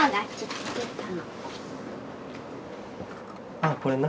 あっこれな。